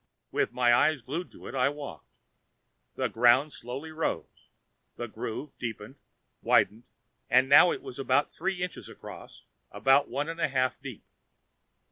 With my eyes glued to it, I walked. The ground slowly rose. The groove deepened, widened now it was about three inches across, about one and a half deep.